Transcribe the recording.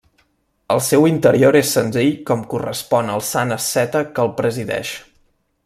El seu interior és senzill com correspon al Sant asceta que el presideix.